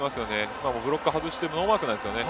今もブロック外してノーマークなんですよね。